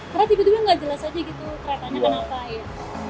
karena tiba tiba gak jelas aja gitu keretanya kenapa ya